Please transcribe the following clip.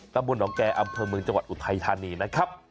ตำบลหนองแก่อำเภอเมืองจังหวัดอุทัยธานีนะครับ